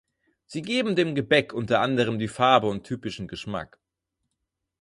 Sie geben dem Gebäck unter anderem die Farbe und typischen Geschmack.